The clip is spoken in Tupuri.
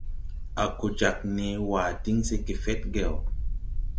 A ko jāg nee waa diŋ se gefedgew.